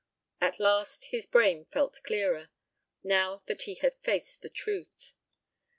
At least his brain felt clearer, now that he had faced the truth.